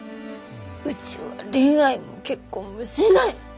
うちは恋愛も結婚もしない。